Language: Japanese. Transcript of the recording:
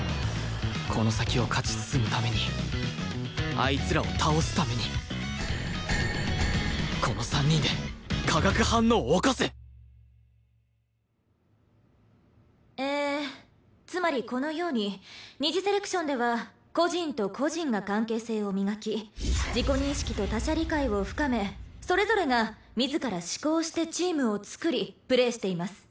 この先を勝ち進むためにあいつらを倒すためにこの３人で化学反応を起こす！！えつまりこのように二次セレクションでは個人と個人が関係性を磨き自己認識と他者理解を深めそれぞれが自ら思考してチームを創りプレーしています。